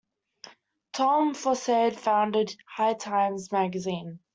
Tom Forcade founded "High Times" magazine.